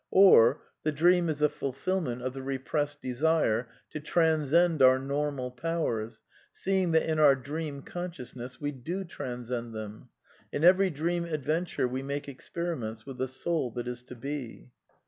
Or: The dream is a ful J fihnent of the repressed desire to transcend our normal powers, seeing that in our dream consciousness we do transcend them. In every dream adventure we make ex /^ periments with the soul that is to be.